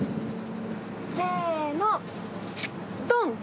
せのドン。